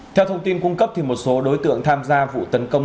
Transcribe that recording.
theo thông tin cung cấp một số đối tượng tham gia vụ tấn công